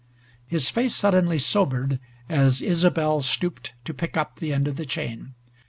His face suddenly sobered as Isobel stooped to pick up the end of the chain.